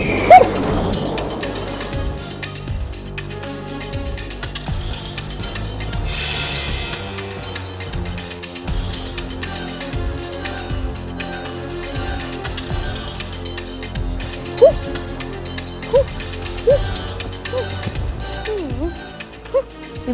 huh huh huh huh huh